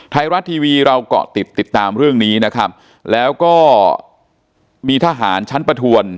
ไทยรัฐทีวีเราเกาะติดติดตามเรื่องนี้นะครับแล้วก็มีทหารชั้นประทวน